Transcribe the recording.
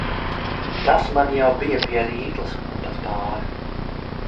Tas man jau bija pie rīkles un pat pāri.